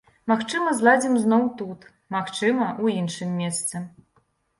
Магчыма зладзім зноў тут, магчыма, у іншым месцы.